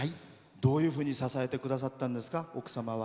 どういうふうに支えてくださったんですか奥様は。